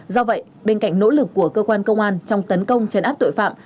do vậy bên cạnh nỗ lực của cơ quan công an trong tấn công chấn áp tội phạm